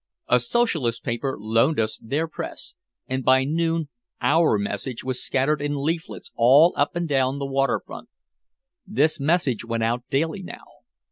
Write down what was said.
A socialist paper loaned us their press, and by noon our message was scattered in leaflets all up and down the waterfront. This message went out daily now.